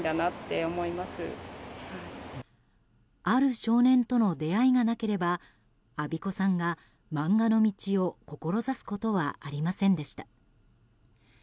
ある少年との出会いがなければ安孫子さんが漫画の道を志すことはありませんでした。